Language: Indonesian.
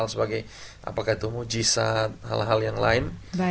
sebagai apa kaitumu jisat hal hal yang lain